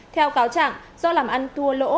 theo cáo chẳng do làm ăn thua lỗ